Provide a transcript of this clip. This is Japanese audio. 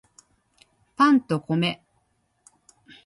パンと米